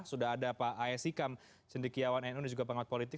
sudah ada pak a s ikam sendikiawan nu dan juga pengamat politik